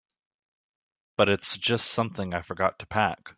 But it's just something I forgot to pack.